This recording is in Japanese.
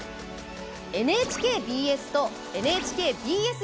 ＮＨＫＢＳとＮＨＫＢＳ